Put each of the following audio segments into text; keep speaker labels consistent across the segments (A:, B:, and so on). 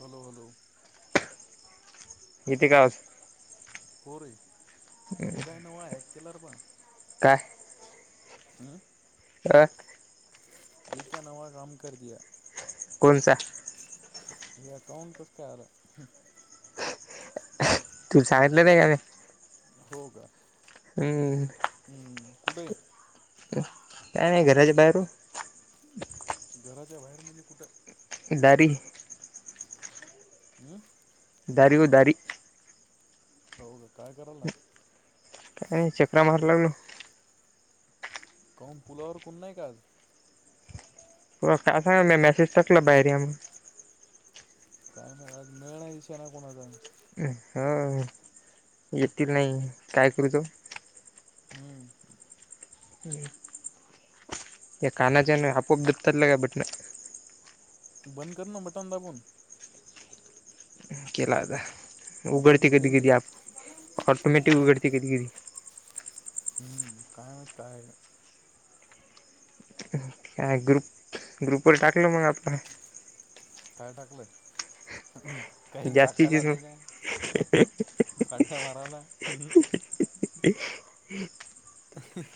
A: Hello hello!
B: येते का आवाज?
A: होरे रे येत आहे न्हव एककिलर बा?
B: काय?
A: आ!
B: [inaudible]
A: ये क्या नवा काम करद्या.
B: कोनसा?
A: हे अकाऊंट कस काय आलं?
B: तुला सांगितलं नाही का!
A: हो का.
B: हम्म!
A: हम्म कुठेय.
B: काय नाही घरच्या बाहेर
A: घराच्या बाहेर म्हणजे कुठं?
B: दारी!
A: [inaudible]
B: दारी ओ दारी!
A: हो का काय करायला?
B: काही नाही चक्र मारला लागलो.
A: काहून पुलावर कोण नाही का आज?
B: असा काय मी मेसेज टाकला बाहेर या मग
A: काय नाही आज मेळ नाय शहाण्या कोणाचा.
B: हो येतील नाही, काय करू तो?
A: हम्म!
B: या कानाच्या हेन आपोआप दपतात बटन.
A: बंद कर ना बटन दाबून.
B: केला आता
A: बंद
B: उगडती
A: होते ना
B: कधी
A: ते
B: कधी आप ऑटोमॅटिक उगडती कधी कधी.
A: काय माहित काय
B: ह्या ग्रुप ग्रुप वर टाकलं मग आपण!
A: काय टाकलं? काहीही टाकायला
B: जास्तीचीच मग
A: लागले काय कांट्या मारायला.
B: [unintelligible]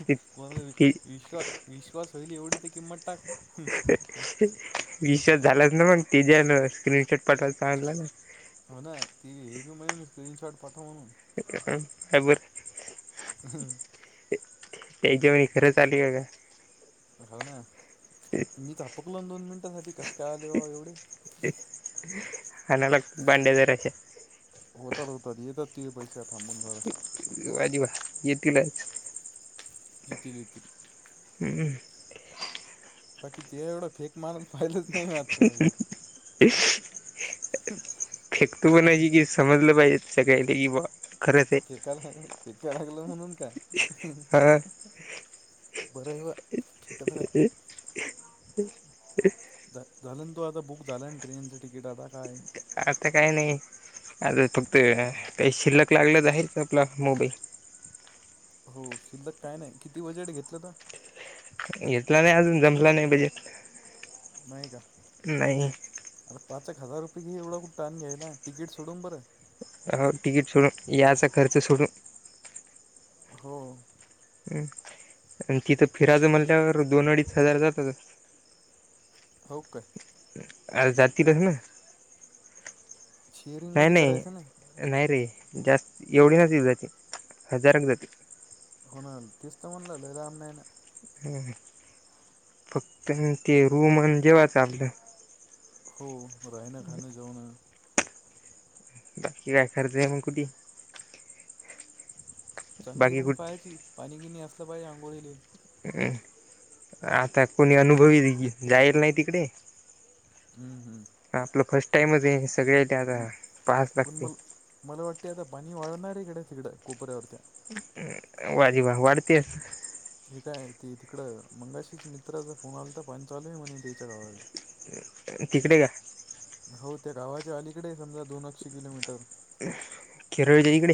B: ते-
A: कोणाला
B: ते
A: विश्वास विश्वास होईल एवढी ते किंमत टाक
B: विश्वास झालाच ना मग ते जे स्क्रीनशॉट पठवायचं आणलं ना
A: हो ना टी वी हे म्ह स्क्रन शॉट पून.
B: अ बर.
A: हम्
B: त्याच्याेवणी खरंच आले का का.
A: हा ना मी पकलून दोन मिनिटांसाठी कस काय आले एवढे.
B: हलाग बांडे जरच्या.
A: होतल होतल य तर तो पैसा थबवून झारे..
B: अजीबा येतीलच.
A: इथ रितील.
B: हम्मं.
A: बाकी ते एवढं फेक माणूस पाहिलेच नाही म आताला. तर
B: फेकतो पण क की समजलं पाहिजे स काहीले की बा. खरंच आहे
A: फिक लागल फिक लागल म्हणून का.
B: हा
A: बरे ठकत नाही. झालं तो आता बुक झाला ना ट्रेनचं तिकीट आता काय.
B: आता काय नाही आता फक्त काही शिल्लक लागलच आहेच आपला मोबाईल.
A: हो शिल्लक काय नाही किती बजेट घेतलं तर.
B: घेतला नाही अजून जपला नाही पाहिजे.
A: नाही कात.
B: नाही.
A: अर पाच हजार रुपय घ एवढ कठ टा आण घ्याय ना तिकीट सोडून बरं.
B: अ तिकीट सोडून याचा खर्च सोडून.
A: हो.
B: हम आणि तिथं फिराज म्हणल्यावर दोन अडीच हजार जातात.
A: हो का.
B: आ जात र आहे ना. नाही
A: शेअरिंगमध्ये करायचं
B: नाही नाही रे जास्त एवढी नचऊ जाते हजारक जाते.
A: कोणा तस्सो म्हनलादामयन.
B: फक्त ते रूमन जेव्हा चाललं.
A: हो राहिना खाणं जाऊन.
B: की रखाते कुटी.
A: चांगली
B: बाकी
A: रूम
B: कुठे
A: पाहायची पाणी गिणी असलं पाहिजे आंघोळीले.
B: हम् आता कोणी अनुभवी जायला नाही तिकडे.
A: हम्म हम्म.
B: आपलं फर्स्ट टाईमच आहे सगळे.
A: पण म मला वाटते आता पाणी वळणार आहेकडे तिकडं कोपऱ्यावरती.
B: [inaudible] वाजी वा वाढतेय.
A: हे काय त तिकडं मंगाशीच्या मित्राचा फोन आला तर पंचालूय म्हणे त्याच्या गावाात.
B: तिकडे का.
A: हो त्या गावाच्या अलीकडे समजा दोन अक्षे किलोमीटर.
B: खेरळयईकडे.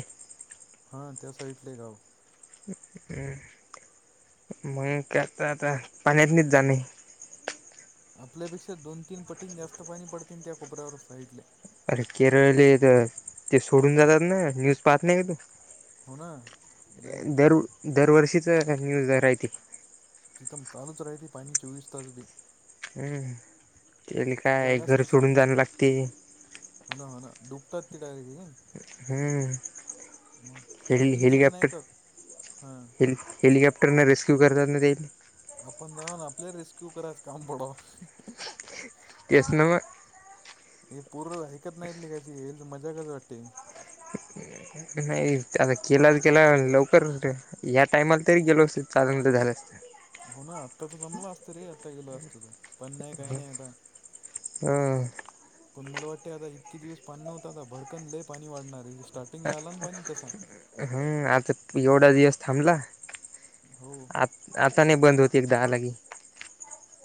A: हा त्या साइडले गाव.
B: म् मग काता आता पाणी पनीत जा.
A: आपल्यापेक्षा दोन तीन पटीं जास्त पाणी पडते त्या कोबऱ्यावर साईटले.
B: अरे केरळ तर ते सोडून जातात ना न्यूज पाहत नाही का तू
A: हो ना लय
B: दर दरवर्षीचा न्यूज राहतील
A: शथम चालूच राहती पाणी चोवीस तास बी
B: हम्म त्या
A: ती
B: काय घर
A: जागाच तशी आहे
B: सोडून जाणं लागते
A: हो ना हो ना डुबतात ती टाे क
B: हम्म
A: ते
B: हे
A: आपलीच इथं नाही
B: हेलिकॉप्टर
A: का हा
B: हे हेलिकॉप्टरन रेस्क्यू करतात ना ते
A: अपण द ना आपल्या रेस्क्यू कराच काम पड
B: केस नामा
A: हे पूर्ण ऐकत नाहीतली कायची येल मजा कच वाटते
B: नाही आता केला तर केला लवकर र ह्या टाइमाला तरी गेलो असत चाल तर झालं असत
A: हो ना आत्ता तर जमला असत रे आत्ता गेला असतं त पण नाही काही नाही आता
B: हम्
A: पण मला वाटते आता इतके दिवस पान नव्हता आता भडकन लय पाणी वाढणार आहे स्टार्ट
B: हम् आता एवढा दिवस थांबला
A: हो
B: आ आता नाही बंद होती एक दहा लागी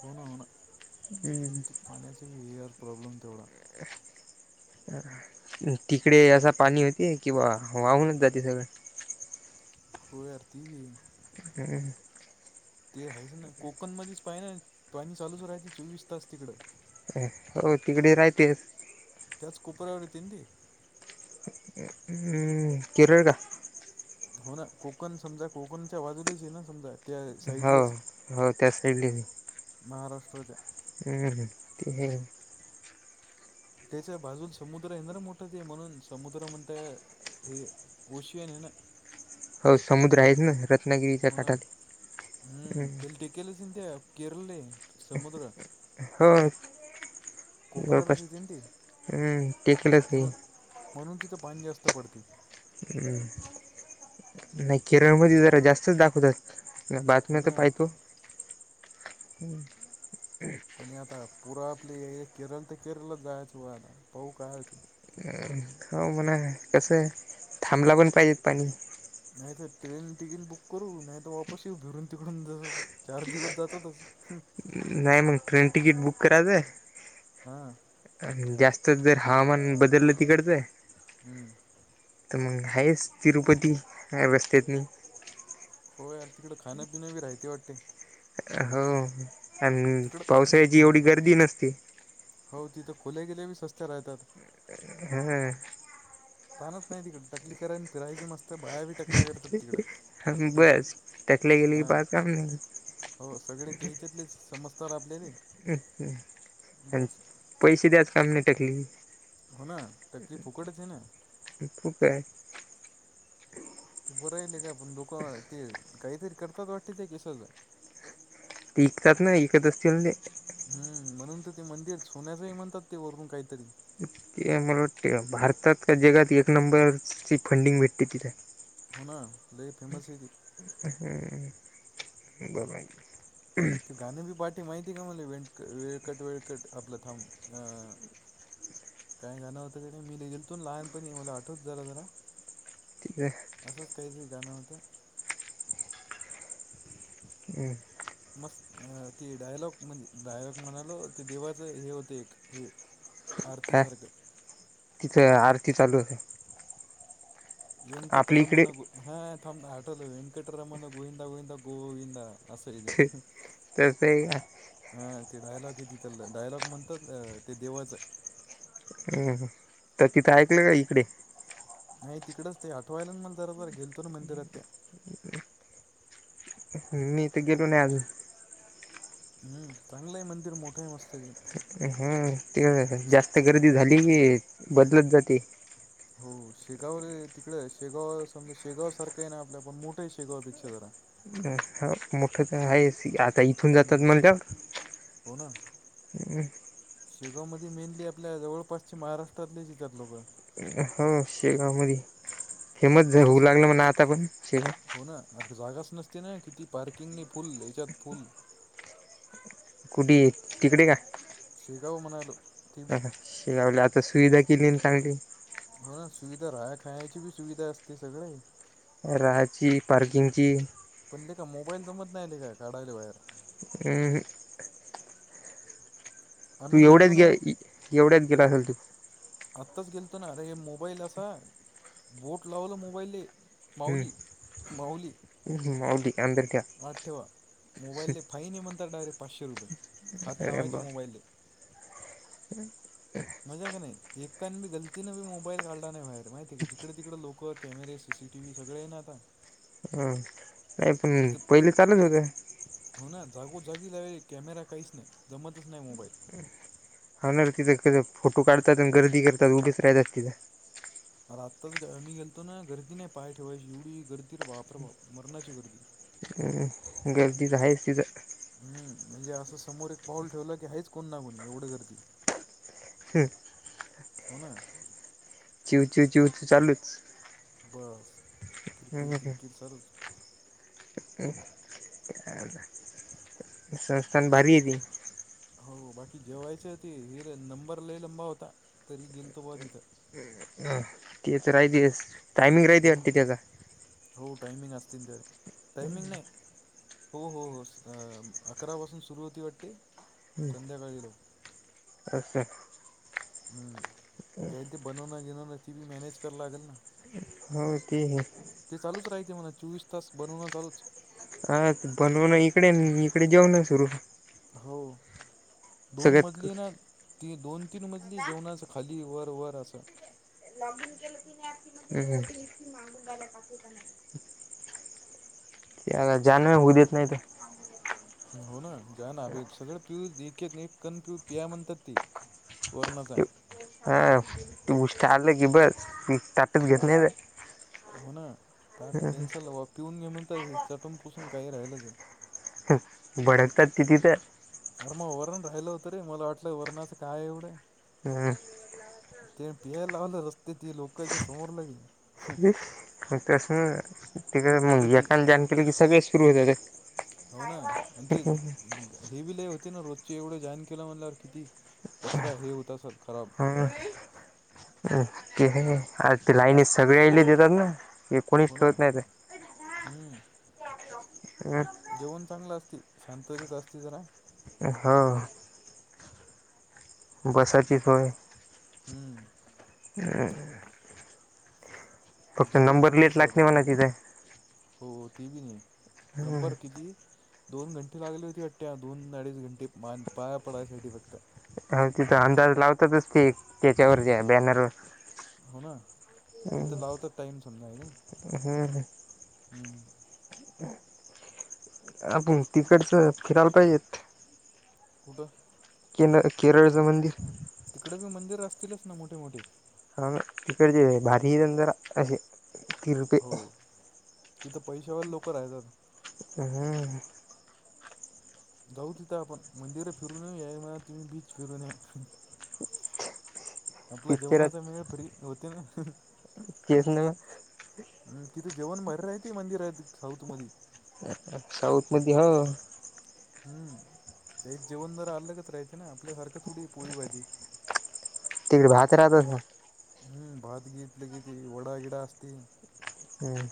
A: होण हो ना ते पाण्याचा हेर प्रॉब्लेम तेवढा
B: तिकडे असं पाणी होते किंवा वाहूनच जाते सगळं
A: होयारती व
B: हम्
A: ते आहेच ना कोकण मध्येच पाहि ना पाणी चालूच राहते चोवीस तास तिकडं
B: हो तिकडे राहतेस
A: त्याच कुपऱ्यावर तीन ती
B: हम्म किरळ का
A: हो ना कोकण समजा कोकणच्या बाजूलीच ना समजाय
B: हो हो त्या सईड म
A: महाराष्ट्राच्या
B: हम् ह ते
A: त्याच्या बाजून समुद्र हंद्र मोठात आहे म्हणून समुद्र म्हणताय ते कशहीने ना
B: हो समुद्र आहेच ना रत्नागिरीच्या
A: हो
B: काठाात
A: केले सिंध्या केरले समुद्र
B: हो
A: कोपऱ्यावरच
B: जवळपास
A: येते ना ते
B: हम् टेकलंच आहे
A: म्हणून म्हणून तिथं पाणी जास्त पडते
B: हम् नाही केरळ म जरा जास्तच दाखवतात
A: हो
B: बातम्या तर
A: ना
B: पाहतो
A: पण आता पुूरा आपली ए केरळ तर केरळच जायच आता पाह काय त
B: ह हो म्हणा कसं आहे थांबला पण पाहिजेत पाणी
A: नाही तरर ट्रेन तिकीट बुक करू नाही तर वापस येऊ भिरून तिकडून ज चार दिवस जातातच
B: नाही मग ट्रेन तिकीट बुक
A: हां
B: करायचं जास्त जर हवामान बदललं तिकडचंय
A: हम्म
B: तर मग आहेच तिरुपती रस्तेत म
A: हो यार तिकडं खाण्यापिं बी राहते वाटते
B: हो आणि
A: तिकडं
B: पावसाळची
A: हां
B: एवढी गर्दी नसती
A: हो तिथं खोल्या गेले बी स्स्त्या राहतात
B: हम्म
A: थानत नाही तिकडे टकली करायन पिरायची मस्त बायावी टकल्या करतात तिकडे ह
B: बस टकल्या गेले की
A: हा
B: पाच काम नाही
A: हो सगळे त्याच्यातलेच समज तर आपलेली
B: अ् आणि पैसे दच काम नाही टाकली
A: हो ना तकली फुकटच आहे ना
B: तू काय
A: ते बरं राल का पण लोक ते काहीतरी करतात वाटते ते की सज
B: तेिकतात ना ऐकत असतील ते
A: हम्म म्हणून तर ते मंदिर सोन्याचंही म्हणतात ते वरून काहीतरी
B: ते मला वाटते भारतात का जगात एक नंबरची फंडिंग भेटते तिथे
A: हो ना कलेक फेमस ह त
B: ह् बला
A: गाणे बी पाठी माहितीय का मला वें वेळकट वेळकट आपलं थांब काय गाणं होतं कडे मी लेल तोून लहानपण ये मला आठवत जरा जरा
B: कती आहे
A: आसं असच कसजे गंवत
B: हम्
A: मस्त तेी डायलॉग म्हणजे डायलॉग म्हणालो ते देवाचं हे होते एक हे
B: काय
A: आरतीसारखं
B: तिथं आरती चालू हो आहे आपल्या इकडे
A: वेंकटरमन ग हा थां हटल वेंकटरमण गोविंदा गोविंदा गोविंद अस सर त
B: तस आहे का
A: हा ते डायलॉग किती तर डायलॉग म्हणतात ते देवाचं
B: अ तर तिथं आहेतऐक ना का इकडे
A: नाही तिकडेच ते आठवायला मग जरा जरा गेलतो ना मंदिरात त्या
B: मीथ गेलो नाही आज
A: हम्म चांगलंही मंदिर मोठं आहे मस्त
B: हा ते
A: ते
B: जास्त गर्दी झाली की बदलत जाते
A: हो शेगाव तिकडे शेगाव समजा शेगाव सारखं आहे ना आपल्या पण मोठं आहे शेगावपेक्षा जरा
B: ह मोठ तर आहे आता इथून जातात
A: हम्म.
B: म्हणज
A: हो ना
B: हम्
A: शेगावमध्ये मेनली आपल्या जवळपासचे महाराष्ट्रातले ज येतात लोकं
B: हो शेगाव मध हेमच
A: तिकडं
B: होऊ
A: स-
B: लागलं म्हणा आता पण शेगाव
A: हो ना अख जागाच नसते ना किती पार्किंग नाही फुल याच्यात फुल
B: कुठे तिकडे का
A: श्रीगाव मनायलो
B: ह शिनावले आता सुविधा केली चांगली
A: हो ना सुविधा राहाय खाण्याची बी सुविधा असते सगळ
B: राहाची पार्किंगची
A: पण ल का मोबाईल जमत नाही ल काढायला बाहेर
B: हम तू
A: आम्ही
B: एवढ्याच
A: गेलतो
B: गे
A: ना
B: एवढ्याच गेला असेल तू
A: आत्ताच गेलतो ना अरे हे मोबाईल असा बोट लावल मोबाईल माऊली माऊुली
B: हम्म माऊली अंदर
A: आत ठेवा मोबाईलने फाईन आहे म्हणर डायरेक्ट पाचशे रुपये हात लावायचे मोबाईलले
B: हम्
A: मजा का नाही एकान बी गलतीनं बी मोबाईल काढला नाही बाहेर माहिती आहे क जिकडे तिकडं लोकं camera C C T V सगळे ये ना आता
B: हम नाही पण पहिले चालच होत्या
A: होना जागोजागी लावलेली कॅमेरा काहीच नाही जमतच नाही मोबाईल.
B: हाणार तिथं कध फोटो काढतात आणि गर्दी करतात उभेच राहतात तिथं.
A: आताच आ मी गेलतो ना गर्दी नाही पाय ठेवायची एवढी गर्दी बापरे बाप मरणाची गर्दी.
B: हम् गर्दीच आहेच तिच.
A: हम्म, म्हणजे असं समोर एक पाऊल ठेवलं की हेहीच कोण ना कोणी एवढं गर्दी.
B: ह.
A: हो ना.
B: चिव चिव चिव चू चालूच.
A: बस किरकिट
B: हं
A: किरकिट सरच.
B: [unintelligible] संस्थान भारी आहे ती.
A: हो बाकी जेवायच ते हे नंबर लय लंबा होता तरी गेल तो ब तिथं.
B: तेच राहितेस टायमिंग राहिते वा
A: हम्म
B: त्याचा.
A: हो टायमिंग असतील ते टायमिंग नाही. हो हो हो अकरापासून सुरू होते वाटतं. संध्याकाळीलो.
B: हा. हा.
A: हम्म त्याला ते बनवण गेनवण ती बी मॅनेज करा लागेल ना.
B: हो ते ही.
A: ते चालूच राहते मला चोवीस तास बनवूनं चालूच
B: हा बनवून इकडे इकडे जऊन सुरू
A: हो दोन
B: सगळ्यात
A: मजली ना ती दोन तीन मजली जेवणाच खाली वर वर असं.
B: लॉगिन केलं ती नाही. हम् हम्. किती मगूनंगाला दाकवता नाही. ते जानवे होऊ देत नाही तर
A: हो ना जा ना आभेब सगळं पिऊ एक एक एक कण पिऊ पिया म्हणतात ते. पूर्णच हाय.
B: अ तू उष्ट आलं की बस त ताटत घेत नाही र
A: हो ना त आता कॅन्सल वा पिऊन घे म्हणंत हे चटून पुसून काही राहिलंच आहे.
B: भडकतात तिथे तर
A: अरे मग वरण राहिलं होतं रे मला वाटलं वरणाचं काय एवढे
B: हम्म.
A: ते पिहायला लावलं रस्ते ती लोकांच्या समोर ला गेली
B: मग तस
A: किती
B: तिकडे मुल
A: बेजती
B: का जान केलं की सगळे सुरू होतात.
A: हो ना आणि ते हे बी लय होते ना रोजची एवढं जाॉईन केलं म्हणल्यावर किती कचरा हे होता सर खराब.
B: हम आ ते लाईणीत सगळे आयले देतात ना. एक कोणीच
A: हो ना
B: ठेवत नाही ते.
A: हम्म.
B: ह.
A: जेवण चांगलं असते शांततेत असती जरा.
B: हा. बसाची सोय.
A: हम्म.
B: हम.
A: जाऊ
B: नंबर
A: एखद
B: लेट
A: दिवशी
B: लागते
A: आपण
B: म्हणा तिथे.
A: हो ते बी नाही नंबर
B: हम्म
A: किती? दोन घंटे लागले होती अट्ट्या दोन अडीच घंटे मान पाया पडयसाठी फक्त.
B: ह तिथं अंदाज लावतातच त त्याच्यावर जे बॅनर.
A: हो ना तिथं लाव तर टाइम समजा आहे
B: हम् ह
A: हम्म
B: आपण तिकडचं फिरायला पाहिजेत
A: कुठं
B: के केरळचं मंदिर
A: तिकडे बी मंदिर असतीलच ना मोठे मोठे
B: हा म तिकडची भारी आहे ना जरा असे तिरपे
A: हो तिथं पैसे वाली लोक राहतात
B: हम्म
A: जाऊ तिथ आपण मंदिर फिरून येऊ या म्ह तुम्ही बीच फिरू या आपला जेवणाचा
B: पिक्चरात
A: मेळ फ्री होते ना
B: केस ना म
A: तिथे जेवण, भारी राहते मंदिरात साऊथ मध
B: साऊथमध्येध्ये ह
A: हम् त्यात जेवण जरा अलगच राहायचें ना आपल्यासारखं थोडी पोळी भाजी
B: तिकडे भात राहतस ना
A: हम्म भात घेतलं कि त वडा गिडा असती
B: हम्म